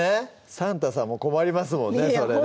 サンタさんも困りますもんね